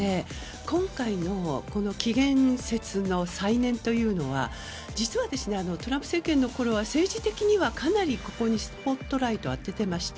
今回の起源説の再燃というのは実はトランプ政権のころは政治的にはかなりここにスポットライトを当てていました。